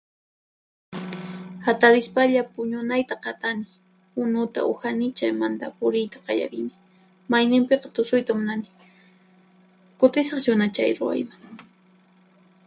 Hatarispalla puñunayta qatani, unuta uhani chaymanta puriyta qallarini; mayninpiqa tusuyta munani. Kutisaq chuna chay ruwayman.